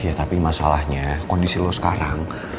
ya tapi masalahnya kondisi lo sekarang